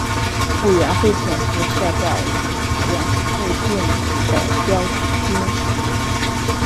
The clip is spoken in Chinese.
委员会总部设在卡宴附近的郊区。